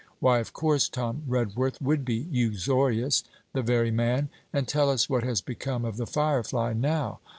Why, of course, Tom Redworth would be uxorious the very man! And tell us what has become of the Firefly now?